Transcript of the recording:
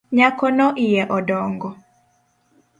Nyakono iye odongo?